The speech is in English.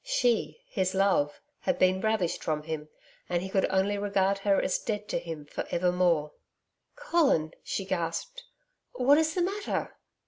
She, his love, had been ravished from him, and he could only regard her as dead to him for evermore. 'Colin,' she gasped. 'What is the matter?'